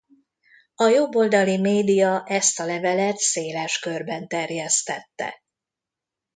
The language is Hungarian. A jobboldali média ezt a levelet széles körben terjesztette.